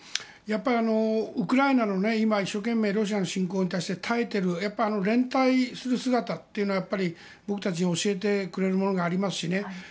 やっぱり、ウクライナの今、一生懸命ロシアの侵攻に対して耐えているあの連帯する姿っていうのはやっぱり僕たちに教えてくれるものがありますしね。